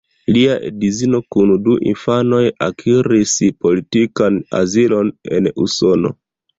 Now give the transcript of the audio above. Lia edzino kun du infanoj akiris politikan azilon en Usono.